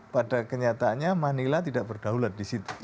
pada kenyataannya manila tidak berdaulat disitu